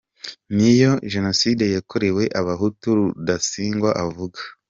Ngiyo Jenoside yakorewe abahutu Rudasingwa avuga